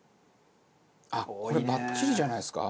あっこれバッチリじゃないですか？